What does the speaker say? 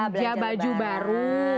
belanja baju baru